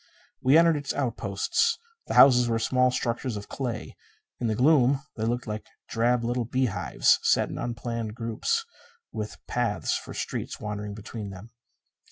We entered its outposts. The houses were small structures of clay. In the gloom they looked like drab little beehives set in unplanned groups, with paths for streets wandering between them.